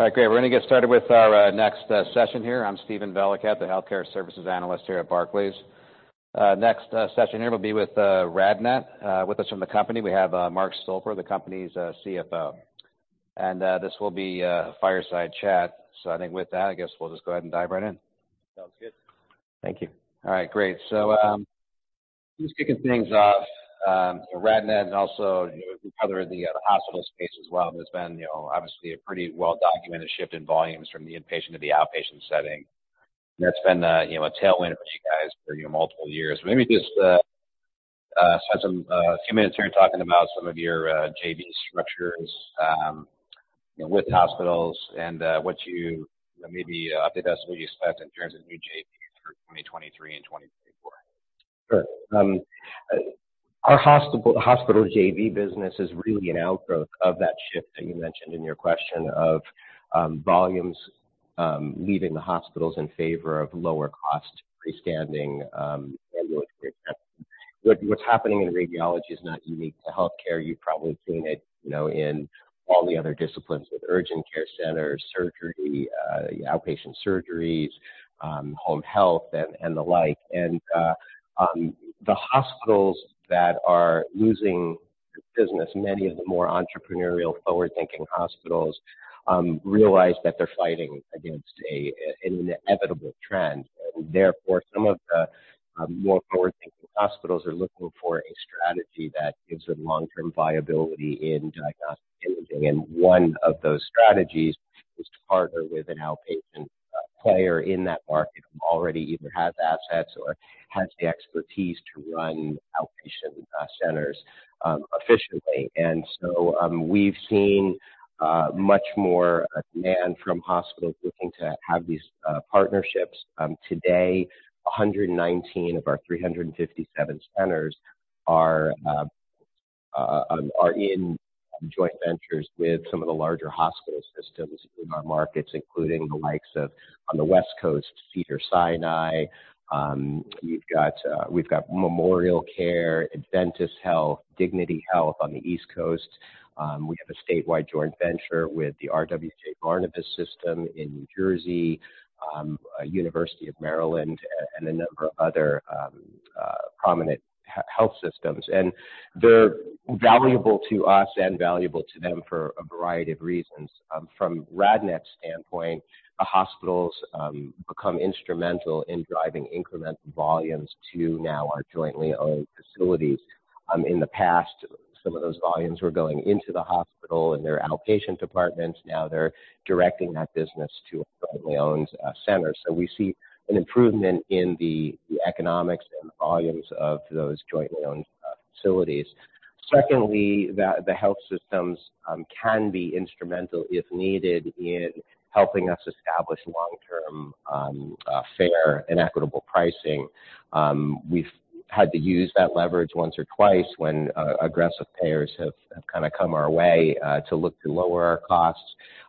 All right, great. We're gonna get started with our next session here. I'm Steven Valiquette, the Healthcare Services Analyst here at Barclays. Next session here will be with RadNet. With us from the company, we have Mark Stolper, the company's CFO. And this will be a fireside chat. I think with that, I guess we'll just go ahead and dive right in. Sounds good. Thank you. All right, great. Just kicking things off, RadNet and also other in the hospital space as well, there's been, you know, obviously a pretty well-documented shift in volumes from the inpatient to the outpatient setting. That's been, you know, a tailwind for you guys for, you know, multiple years. Maybe just spend some few minutes here talking about some of your JV structures with hospitals and maybe update us on what you expect in terms of new JVs for 2023 and 2024. Sure. Our hospital JV business is really an outgrowth of that shifting that you mentioned in your question of volumes leaving the hospitals in favor of lower cost freestanding ambulatory centers. What's happening in radiology is not unique to healthcare. You've probably seen it, you know, in all the other disciplines with urgent care centers, surgery, outpatient surgeries, home health, and the like. The hospitals that are losing business, many of the more entrepreneurial, forward-thinking hospitals realize that they're fighting against an inevitable trend. Therefore, some of the more forward-thinking hospitals are looking for a strategy that gives them long-term viability in diagnostic imaging. One of those strategies is to partner with an outpatient player in that market who already either has assets or has the expertise to run outpatient centers efficiently. We've seen much more demand from hospitals looking to have these partnerships. Today, 119 of our 357 centers are in joint ventures with some of the larger hospital systems in our markets, including the likes of, on the West Coast, Cedars-Sinai. We've got MemorialCare, Adventist Health, Dignity Health on the East Coast. We have a statewide joint venture with the RWJBarnabas Health system in New Jersey, University of Maryland, and a number of other prominent health systems. They're valuable to us and valuable to them for a variety of reasons. From RadNet's standpoint, the hospitals become instrumental in driving incremental volumes to now our jointly owned facilities. And in the past, some of those volumes were going into the hospital and their outpatient departments. Now they're directing that business to a jointly owned center. We see an improvement in the economics and volumes of those jointly owned facilities. Secondly, the health systems can be instrumental if needed in helping us establish long-term fair and equitable pricing. We've had to use that leverage once or twice when aggressive payers have kind of come our way to look to lower our costs.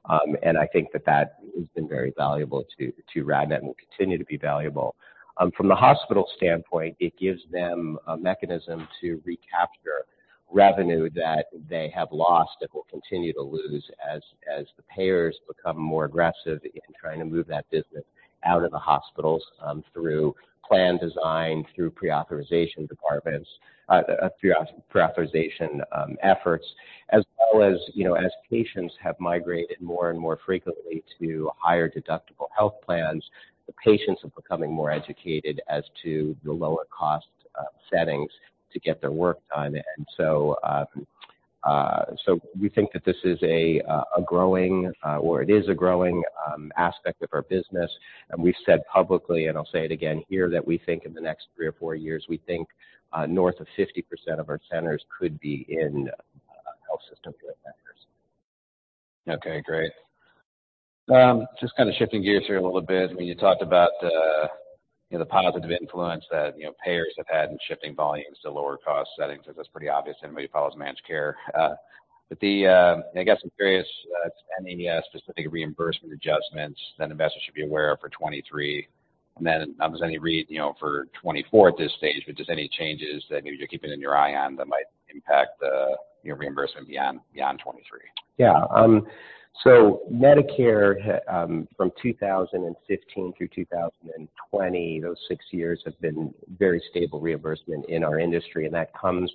I think that that has been very valuable to RadNet and will continue to be valuable. From the hospital standpoint, it gives them a mechanism to recapture revenue that they have lost and will continue to lose as the payers become more aggressive in trying to move that business out of the hospitals through plan design, through pre-authorization departments, through pre-authorization efforts. As well as, you know, as patients have migrated more and more frequently to higher deductible health plans, the patients are becoming more educated as to the lower cost settings to get their work done. So we think that this is a growing, or it is a growing aspect of our business. We've said publicly, and I'll say it again here, that we think in the next three or four years, we think, north of 50% of our centers could be in health system joint ventures. Okay, great. just kinda shifting gears here a little bit. I mean, you talked about the, you know, the positive influence that, you know, payers have had in shifting volumes to lower cost settings, which that's pretty obvious to anybody who follows managed care. but the, I guess I'm curious, any specific reimbursement adjustments that investors should be aware of for 2023. Not there's any read, you know, for 2024 at this stage, but just any changes that maybe you're keeping in your eye on that might impact your reimbursement beyond 2023. Medicare, from 2015 through 2020, those six years have been very stable reimbursement in our industry. That comes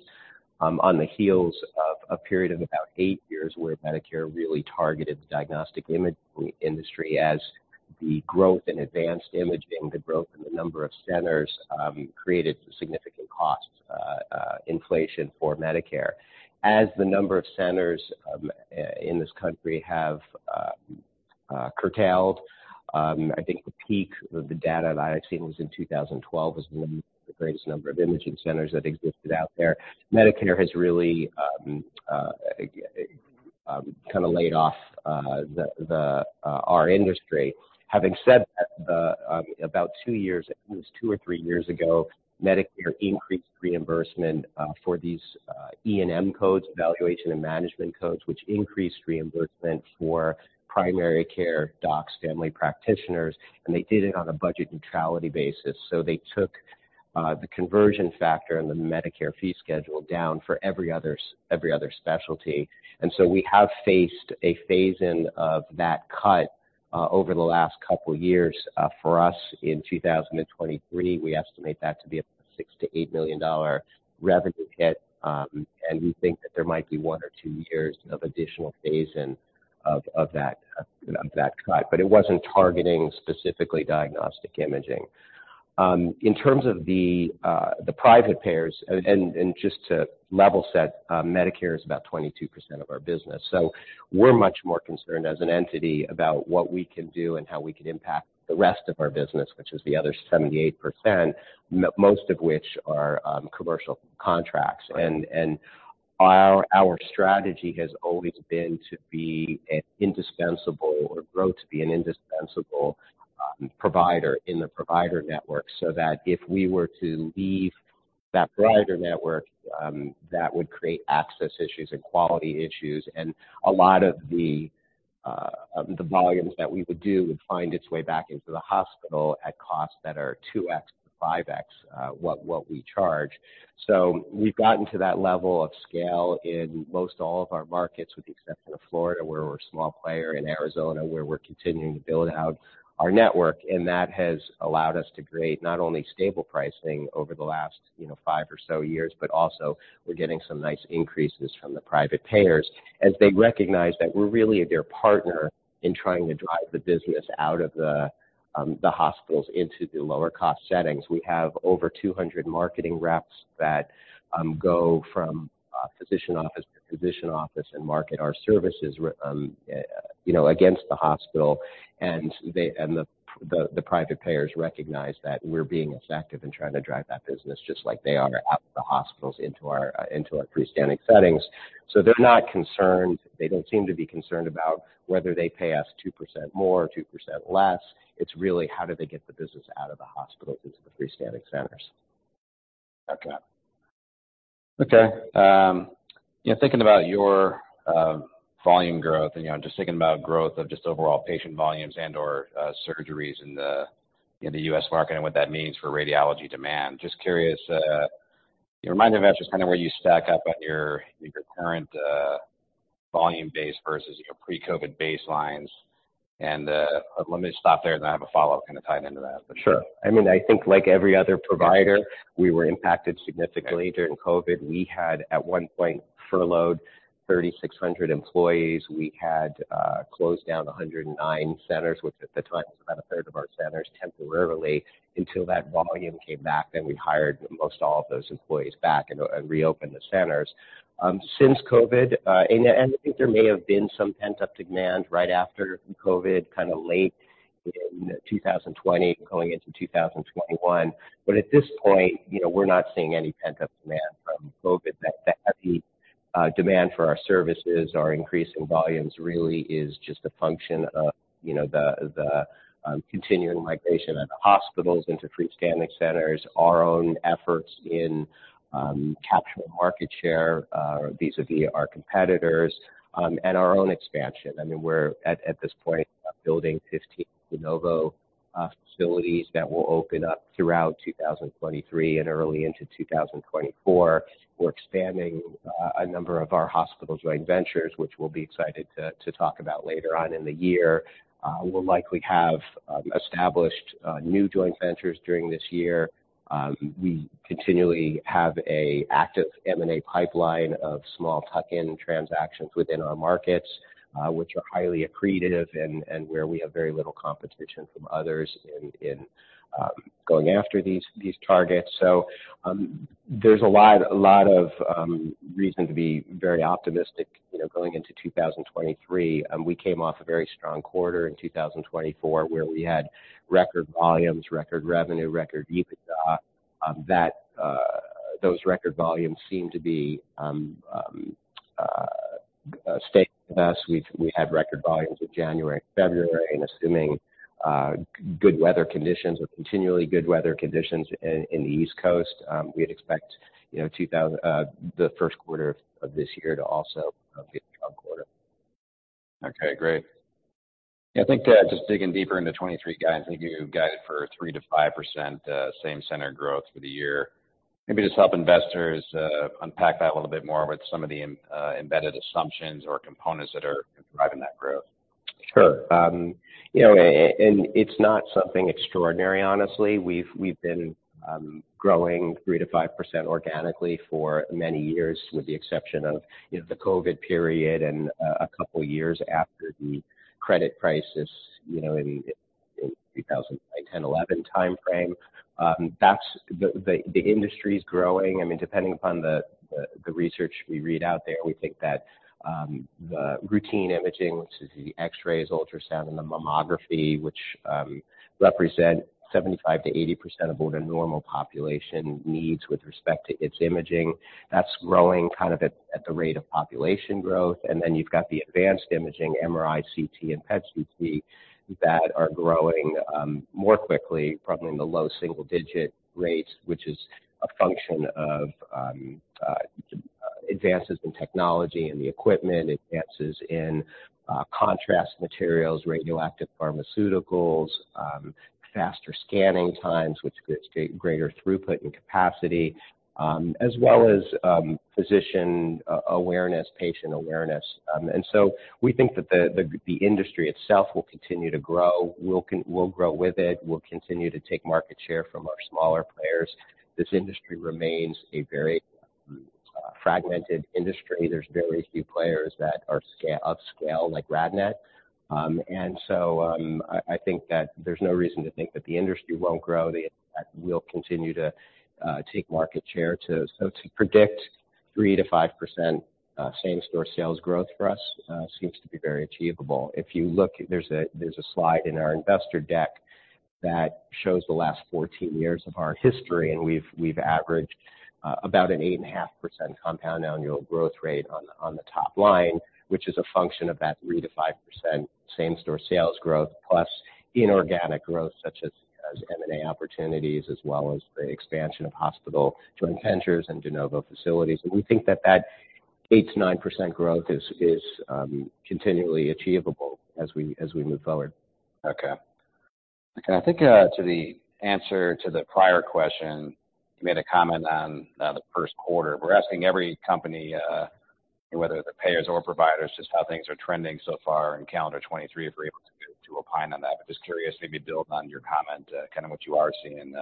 on the heels of a period of about eight years where Medicare really targeted the diagnostic imaging industry as the growth in advanced imaging, the growth in the number of centers, created significant cost inflation for Medicare. As the number of centers in this country have curtailed, I think the peak of the data that I've seen was in 2012, was when the greatest number of imaging centers that existed out there. Medicare has really kind of laid off our industry. Having said that, about two years, I think it was two or three years ago, Medicare increased reimbursement for these ENM codes, evaluation and management codes, which increased reimbursement for primary care docs, family practitioners, they did it on a budget neutrality basis. They took the conversion factor and the Medicare fee schedule down for every other specialty. We have faced a phase in of that cut over the last couple years. For us, in 2023, we estimate that to be about $6 million-$8 million revenue hit. We think that there might be one or two years of additional phase-in of that, you know, of that cut. It wasn't targeting specifically diagnostic imaging. In terms of the private payers, and just to level set, Medicare is about 22% of our business. We're much more concerned as an entity about what we can do and how we can impact the rest of our business, which is the other 78%, most of which are commercial contracts. Our strategy has always been to be an indispensable or grow to be an indispensable provider in the provider network, so that if we were to leave that provider network, that would create access issues and quality issues. A lot of the volumes that we would do would find its way back into the hospital at costs that are 2x to 5x, what we charge. We've gotten to that level of scale in most all of our markets, with the exception of Florida, where we're a small player, in Arizona, where we're continuing to build out our network. That has allowed us to create not only stable pricing over the last, you know, five or so years, but also we're getting some nice increases from the private payers as they recognize that we're really their partner in trying to drive the business out of the hospitals into the lower cost settings. We have over 200 marketing reps that go from physician office to physician office and market our services, you know, against the hospital. The private payers recognize that we're being effective in trying to drive that business just like they are out of the hospitals into our freestanding settings. They're not concerned. They don't seem to be concerned about whether they pay us 2% more or 2% less. It's really how do they get the business out of the hospital into the freestanding centers. Okay. Okay. Thinking about your volume growth and, you know, just thinking about growth of just overall patient volumes and/or surgeries in the US market and what that means for radiology demand. Just curious, remind investors kind of where you stack up on your current volume base versus your pre-COVID baselines. Let me stop there, and then I have a follow-up kind of tied into that. Sure. I mean, I think like every other provider, we were impacted significantly during COVID. We had at one point furloughed 3,600 employees. We had closed down 109 centers, which at the time was about a third of our centers temporarily, until that volume came back. We hired most all of those employees back and reopened the centers. Since COVID, and, I think there may have been some pent-up demand right after COVID, kinda late in 2020 going into 2021. At this point, you know, we're not seeing any pent-up demand from COVID. The demand for our services, our increase in volumes really is just a function of, you know, the continuing migration of hospitals into freestanding centers, our own efforts in capturing market share vis-a-vis our competitors, and our own expansion. I mean, we're at this point, building 15 de novo facilities that will open up throughout 2023 and early into 2024. We're expanding a number of our hospital joint ventures, which we'll be excited to talk about later on in the year. We'll likely have established new joint ventures during this year. We continually have an active M&A pipeline of small tuck-in transactions within our markets, which are highly accretive and where we have very little competition from others in going after these targets. There's a lot of reason to be very optimistic, you know, going into 2023. We came off a very strong quarter in 2024, where we had record volumes, record revenue, record EBITDA. That those record volumes seem to be staying with us. We had record volumes in January and February, assuming good weather conditions or continually good weather conditions in the East Coast, we'd expect, you know, the first quarter of this year to also be a strong quarter. Okay, great. I think, just digging deeper into 2023 guidance, I think you guided for 3%-5%, same center growth for the year. Maybe just help investors, unpack that a little bit more with some of the, embedded assumptions or components that are driving that growth. Sure. You know, it's not something extraordinary, honestly. We've been growing 3%-5% organically for many years, with the exception of, you know, the COVID period and a couple of years after the credit crisis, you know, in 2010, 2011 timeframe. The industry is growing. I mean, depending upon the research we read out there, we think that the routine imaging, which is the X-rays, ultrasound, and the mammography, which represent 75%-80% of what a normal population needs with respect to its imaging, that's growing kind of at the rate of population growth. You've got the advanced imaging, MRI, CT, and PET CT that are growing more quickly, probably in the low single digit rates, which is a function of advances in technology and the equipment, advances in contrast materials, radioactive pharmaceuticals, faster scanning times which creates greater throughput and capacity, as well as physician awareness, patient awareness. We think that the industry itself will continue to grow. We'll grow with it. We'll continue to take market share from our smaller players. This industry remains a very fragmented industry. There's very few players that are of scale like RadNet. I think that there's no reason to think that the industry won't grow, that we'll continue to take market share to... To predict 3%-5% same-store sales growth for us seems to be very achievable. If you look, there's a slide in our investor deck that shows the last 14 years of our history, and we've averaged about an 8.5% compound annual growth rate on the top line, which is a function of that 3%-5% same-store sales growth plus inorganic growth such as M&A opportunities as well as the expansion of hospital joint ventures and de novo facilities. We think that that 8%-9% growth is continually achievable as we move forward. Okay. I think, to the answer to the prior question, you made a comment on the first quarter. We're asking every company, whether they're payers or providers, just how things are trending so far in calendar 2023, if we're able to opine on that. Just curious, maybe build on your comment, kind of what you are seeing,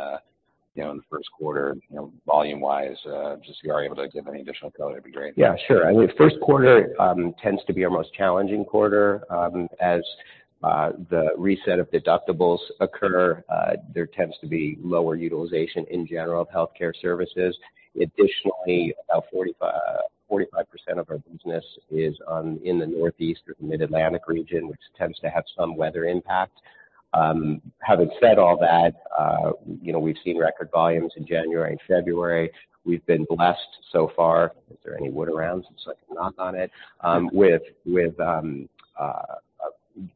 you know, in the first quarter, you know, volume wise. Just if you are able to give any additional color, that'd be great. Yeah, sure. I mean, first quarter, tends to be our most challenging quarter. As the reset of deductibles occur, there tends to be lower utilization in general of healthcare services. Additionally, about 45% of our business is in the Northeast or Mid-Atlantic region, which tends to have some weather impact. Having said all that, you know, we've seen record volumes in January and February. We've been blessed so far. Is there any wood around so I can knock on it? With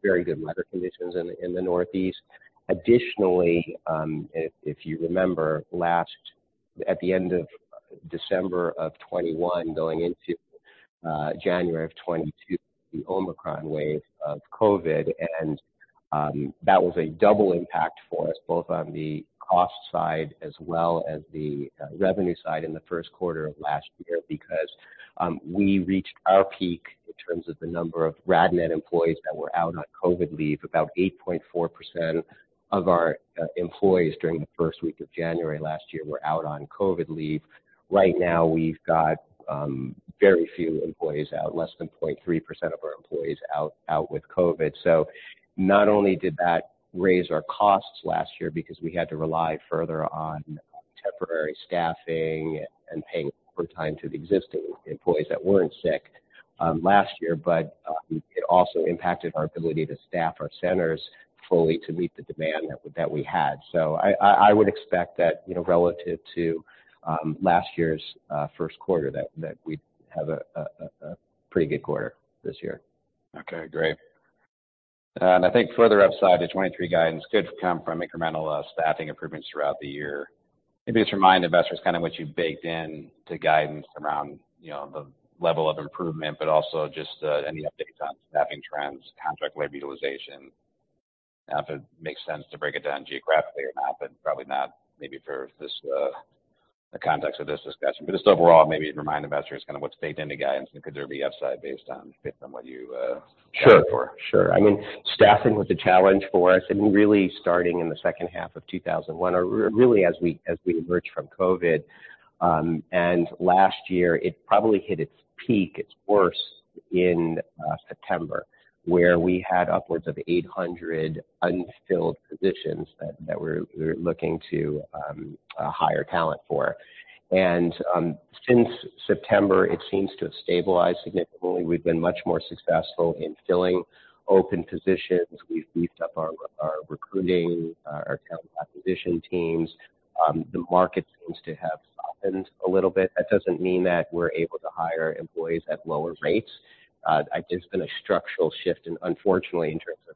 very good weather conditions in the Northeast. If, if you remember at the end of December of 2021 going into January of 2022, the Omicron wave of COVID, and that was a double impact for us, both on the cost side as well as the revenue side in the first quarter of last year because we reached our peak in terms of the number of RadNet employees that were out on COVID leave. About 8.4% of our employees during the first week of January last year were out on COVID leave. Right now, we've got very few employees out, less than 0.3% of our employees out with COVID. Not only did that raise our costs last year because we had to rely further on temporary staffing and paying overtime to the existing employees that weren't sick, last year, but it also impacted our ability to staff our centers fully to meet the demand that we had. I would expect that, you know, relative to last year's first quarter that we'd have a pretty good quarter this year. Okay, great. I think further upside to 2023 guidance could come from incremental staffing improvements throughout the year. Maybe just remind investors kind of what you've baked in to guidance around, you know, the level of improvement, but also just any updates on staffing trends, contract labor utilization? If it makes sense to break it down geographically or not, but probably not maybe for this, the context of this discussion. Just overall, maybe remind investors kind of what's baked into guidance and could there be upside based on what you shared before? Sure, sure. I mean, staffing was a challenge for us really starting in the second half of 2001, or really as we emerged from COVID. Last year it probably hit its peak, its worst in September, where we had upwards of 800 unfilled positions that we're looking to hire talent for. Since September, it seems to have stabilized significantly. We've been much more successful in filling open positions. We've beefed up our recruiting, our talent acquisition teams. The market seems to have softened a little bit. That doesn't mean that we're able to hire employees at lower rates. There's been a structural shift and unfortunately in terms of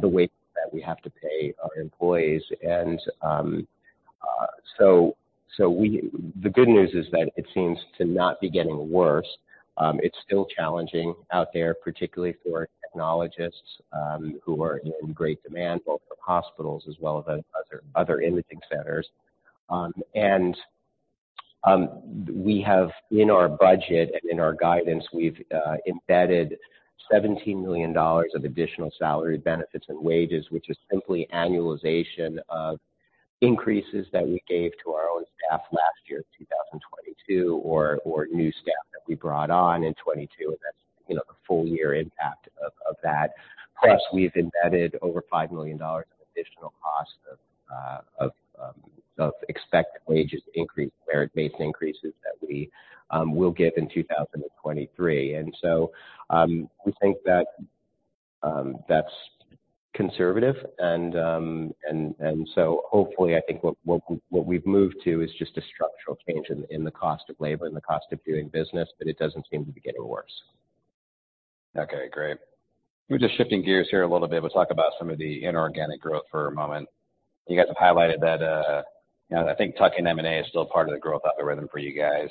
the way that we have to pay our employees. The good news is that it seems to not be getting worse. It's still challenging out there, particularly for technologists, who are in great demand both from hospitals as well as other imaging centers. In our budget and in our guidance, we've embedded $17 million of additional salary benefits and wages, which is simply annualization of increases that we gave to our own staff last year, 2022 or new staff that we brought on in 2022, and that's, you know, the full year impact of that. Plus, we've embedded over $5 million of additional cost of merit-based increases that we will give in 2023. We think that's conservative and so hopefully, I think what we've moved to is just a structural change in the cost of labor and the cost of doing business, but it doesn't seem to be getting worse. Okay, great. We're just shifting gears here a little bit. Let's talk about some of the inorganic growth for a moment. You guys have highlighted that, you know, I think tuck-in M&A is still part of the growth algorithm for you guys.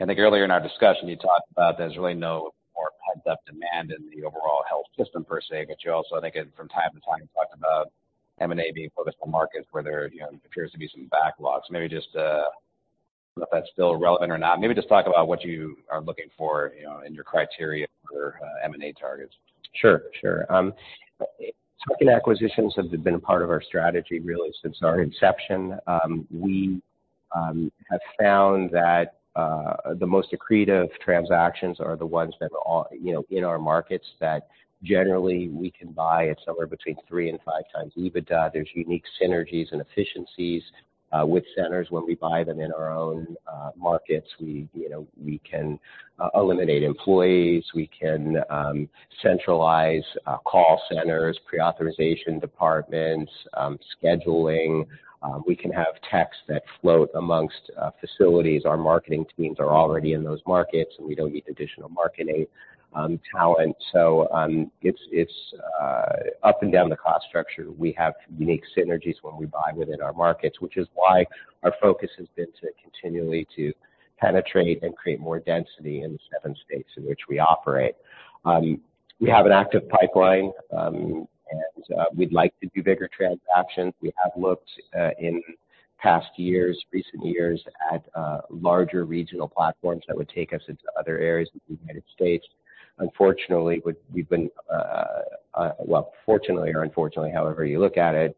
I think earlier in our discussion, you talked about there's really no more pent-up demand in the overall health system per se, but you also, I think from time to time, talked about M&A being focused on markets where there, you know, appears to be some backlogs. Maybe just, if that's still relevant or not, maybe just talk about what you are looking for, you know, in your criteria for M&A targets. Sure, sure. Tuck-in acquisitions have been a part of our strategy really since our inception. We have found that the most accretive transactions are the ones that are, you know, in our markets that generally we can buy at somewhere between three and five times EBITDA. There's unique synergies and efficiencies with centers when we buy them in our own markets. We, you know, we can eliminate employees, we can centralize call centers, pre-authorization departments, scheduling. We can have techs that float amongst facilities. Our marketing teams are already in those markets, and we don't need additional marketing talent. It's, it's up and down the cost structure. We have unique synergies when we buy within our markets, which is why our focus has been to continually to penetrate and create more density in the seven states in which we operate. We have an active pipeline, we'd like to do bigger transactions. We have looked in past years, recent years at larger regional platforms that would take us into other areas of the United States. Unfortunately, we've been. Well, fortunately or unfortunately, however you look at it,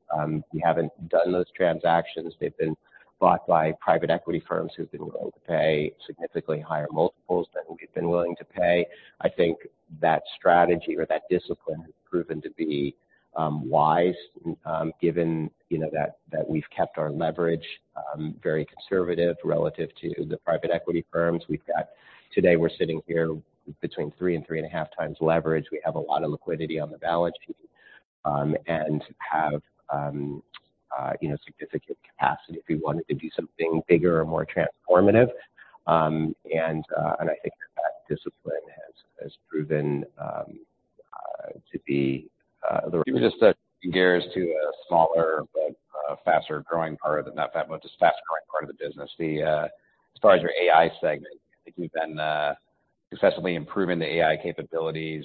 we haven't done those transactions. They've been bought by private equity firms who've been willing to pay significantly higher multiples than we've been willing to pay. I think that strategy or that discipline has proven to be wise, given, you know, that we've kept our leverage very conservative relative to the private equity firms. Today, we're sitting here between three and half times leverage. We have a lot of liquidity on the balance sheet, and have, you know, significant capacity if we wanted to do something bigger or more transformative. I think that discipline has proven to be. Maybe just gears to a smaller but faster-growing part of the not fast, but just faster growing part of the business. The as far as your AI segment, I think you've been successfully improving the AI capabilities.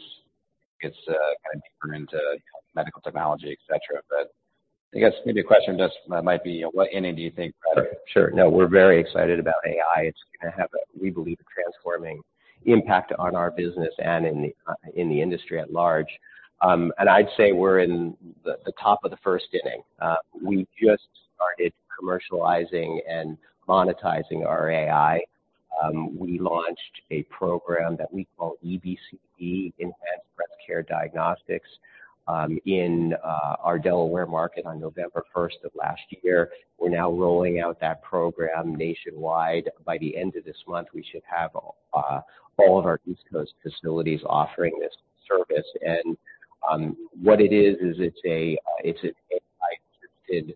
It's kind of deeper into, you know, medical technology, et cetera. I guess maybe a question just might be, what inning do you think? Sure. We're very excited about AI. It's gonna have a, we believe, transforming impact on our business and in the industry at large. I'd say we're in the top of the first inning. We just started commercializing and monetizing our AI. We launched a program that we call EBCD, Enhanced Breast Cancer Detection, in our Delaware market on November first of last year. We're now rolling out that program nationwide. By the end of this month, we should have all of our East Coast facilities offering this service. What it is it's an AI-assisted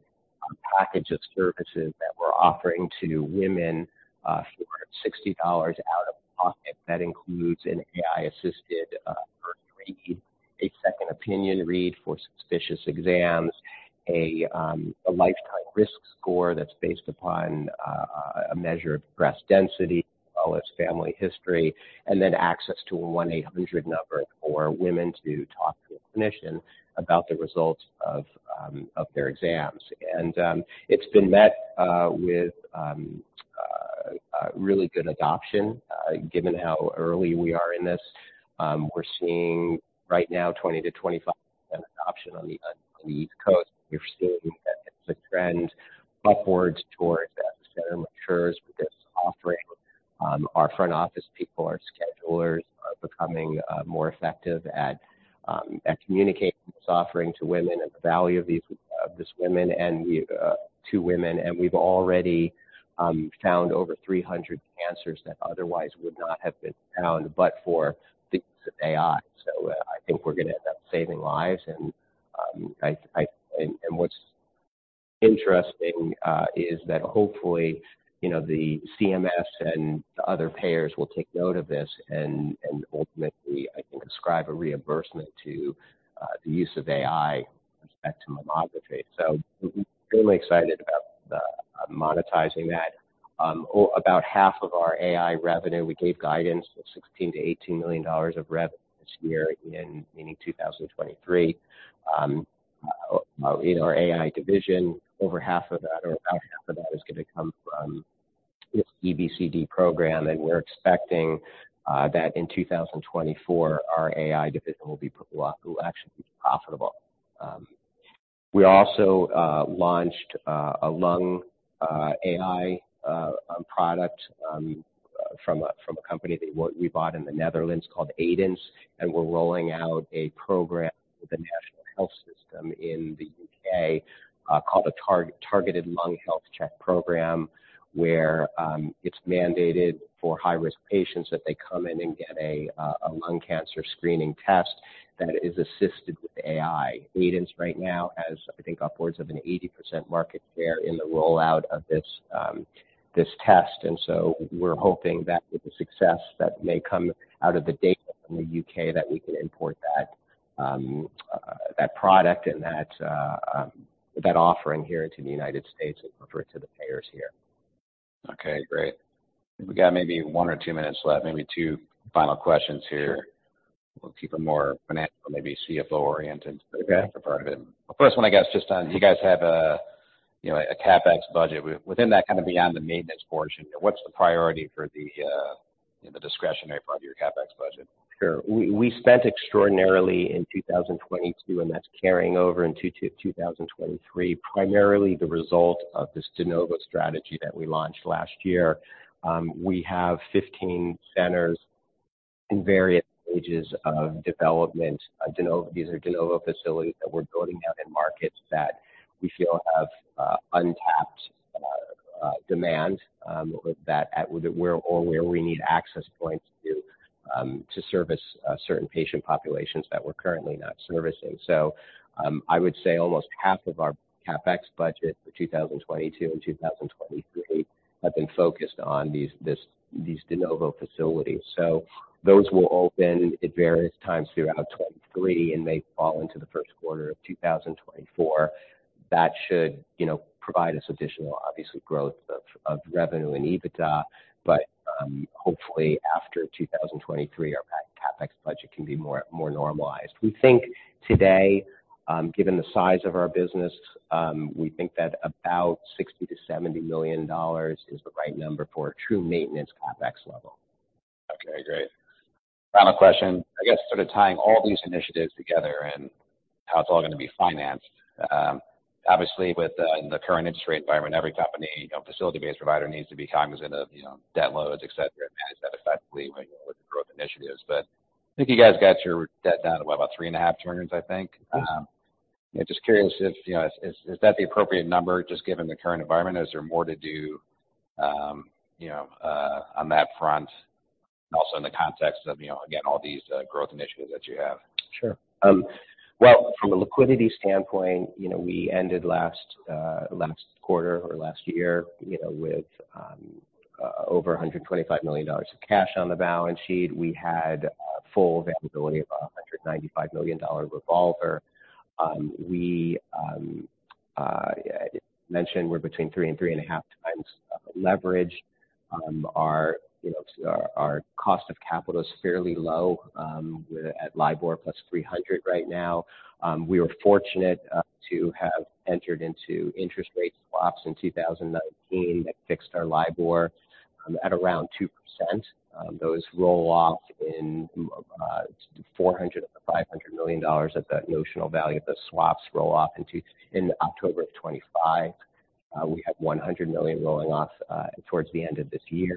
package of services that we're offering to women for $60 out of pocket. That includes an AI-assisted read, a second opinion read for suspicious exams, a lifetime risk score that's based upon a measure of breast density as well as family history, and then access to a 1-800 number for women to talk to a clinician about the results of their exams. It's been met with a really good adoption given how early we are in this. We're seeing right now 20%-25% adoption on the East Coast. We're seeing that it's a trend upwards towards as the center matures with this offering. Our front office people, our schedulers are becoming more effective at communicating this offering to women and the value of these women and to women. We've already found over 300 cancers that otherwise would not have been found, but for the use of AI. I think we're gonna end up saving lives. What's interesting is that hopefully, you know, the CMS and other payers will take note of this and ultimately, I think, ascribe a reimbursement to the use of AI with respect to mammography. We're really excited about monetizing that. About half of our AI revenue, we gave guidance of $16 million-$18 million of revenue this year, meaning 2023. You know, our AI division, over half of that or about half of that is gonna come from this EBCD program. We're expecting that in 2024, our AI division will actually be profitable. We also launched a lung AI product from a company that we bought in the Netherlands called Aidence, and we're rolling out a program with the National Health Service in the UK called the Targeted Lung Health Check Programme, where it's mandated for high-risk patients that they come in and get a lung cancer screening test. That is assisted with AI. Aidence right now has, I think, upwards of an 80% market share in the rollout of this test. We're hoping that with the success that may come out of the data from the UK, that we can import that product and that offering here into the United States and refer it to the payers here. Okay, great. We got maybe one or two minutes left. Maybe two final questions here. We'll keep it more financial, maybe CFO-oriented. Okay. For the financial part of it. The first one, I guess, just on, do you guys have a, you know, a CapEx budget? Within that, kind of beyond the maintenance portion, what's the priority for the, you know, the discretionary part of your CapEx budget? Sure. We spent extraordinarily in 2022, and that's carrying over into 2023, primarily the result of this de novo strategy that we launched last year. We have 15 centers in various stages of development. These are de novo facilities that we're building out in markets that we feel have untapped demand or where we need access points to service certain patient populations that we're currently not servicing. I would say almost half of our CapEx budget for 2022 and 2023 have been focused on these de novo facilities. Those will open at various times throughout 2023 and may fall into the first quarter of 2024. That should, you know, provide us additional, obviously, growth of revenue and EBITDA. Hopefully after 2023, our CapEx budget can be more normalized. We think today, given the size of our business, we think that about $60 million-$70 million is the right number for a true maintenance CapEx level. Okay, great. Final question. I guess sort of tying all these initiatives together and how it's all gonna be financed. Obviously with, in the current interest rate environment, every company, you know, facility-based provider needs to be cognizant of, you know, debt loads, et cetera, and manage that effectively with growth initiatives. I think you guys got your debt down to what, about three and half turns, I think? Yeah, just curious if, you know, is that the appropriate number just given the current environment? Is there more to do, you know, on that front, and also in the context of, you know, again, all these growth initiatives that you have? Sure. Well, from a liquidity standpoint, you know, we ended last quarter or last year, you know, with over $125 million of cash on the balance sheet. We had full availability of a $195 million revolver. We mentioned we're between three and three and half times leverage. Our, you know, our cost of capital is fairly low, we're at LIBOR plus 300 right now. We were fortunate to have entered into interest rate swaps in 2019 that fixed our LIBOR at around 2%. Those roll off in $400 million or $500 million at the notional value of the swaps roll off in October of 2025. We have $100 million rolling off towards the end of this year.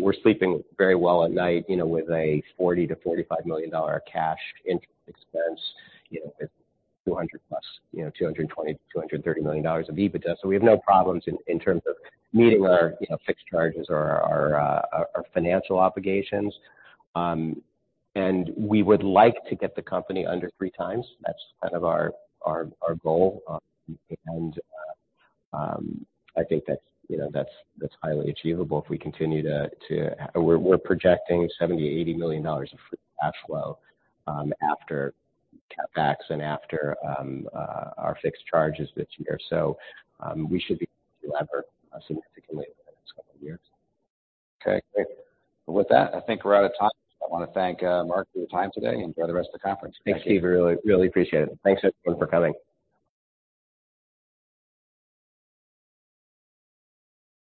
We're sleeping very well at night, you know, with a $40 million-$45 million cash interest expense, you know, with 200+, you know, $220 million-$230 million of EBITDA. We have no problems in terms of meeting our, you know, fixed charges or our financial obligations. We would like to get the company under three times. That's kind of our goal. I think that's, you know, that's highly achievable if we continue to. We're projecting $70 million-$80 million of free cash flow after CapEx and after our fixed charges this year. We should be able to lever significantly in the next couple years. Okay, great. With that, I think we're out of time. I want to thank Mark for your time today, enjoy the rest of the conference. Thank you. Thanks, Steve. I really appreciate it. Thanks everyone for coming.